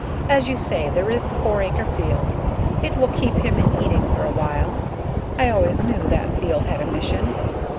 "As you say, there is the four acre field. It will keep him in eating for a while. I always knew that field had a mission.